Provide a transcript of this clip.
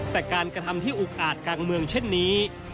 แต่การกระทำที่อุกอาจกลางเมืองเช่นนี้